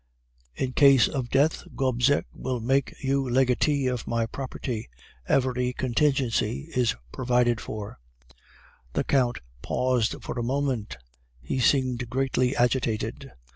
In case of death, Gobseck would make you legatee of my property. Every contingency is provided for.' "The Count paused for a moment. He seemed greatly agitated.